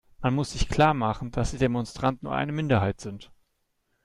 Man muss sich klarmachen, dass die Demonstranten nur eine Minderheit sind.